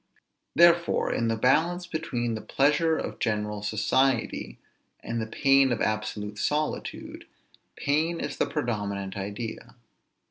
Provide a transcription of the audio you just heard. Therefore in the balance between the pleasure of general society, and the pain of absolute solitude, pain is the predominant idea.